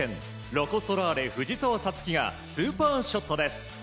ロコ・ソラーレ藤澤五月がスーパーショットです。